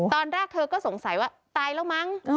ตอนแรกเธอก็สงสัยว่าตายแล้วมั้ง